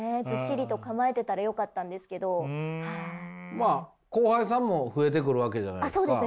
まあ後輩さんも増えてくるわけじゃないですか。